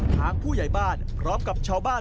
ทางผู้ใหญ่บ้านพร้อมกับชาวบ้าน